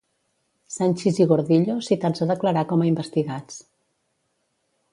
Sanchis i Gordillo citats a declarar com a investigats.